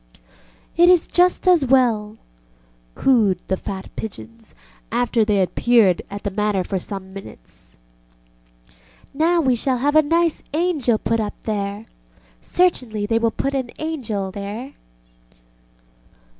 ŌĆ£It is just as well, ŌĆØ cooed the fat pigeons, after they had peered at the matter for some minutes; ŌĆ£now we shall have a nice angel put up there. Certainly they will put an angel there.